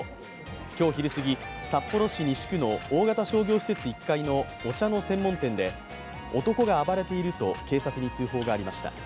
今日昼過ぎ、札幌市西区の大型商業施設１階のお茶の専門店で男が暴れていると警察に通報がありました。